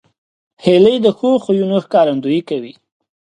هیلۍ د ښو خویونو ښکارندویي کوي